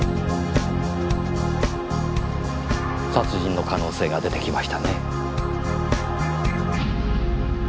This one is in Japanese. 殺人の可能性が出てきましたね。